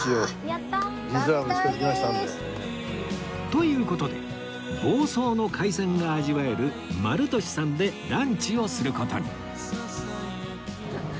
という事で房総の海鮮が味わえるまるとしさんでランチをする事に